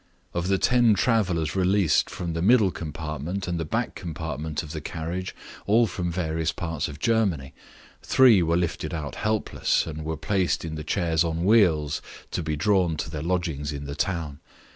Of the ten travelers released from the middle compartment and the back compartment of the carriage all from various parts of Germany three were lifted out helpless, and were placed in the chairs on wheels to be drawn to their lodgings in the town.